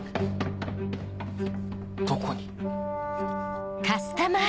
どこに？